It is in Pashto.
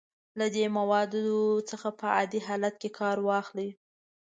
له دې موادو څخه په عادي حالت کې کار واخلئ.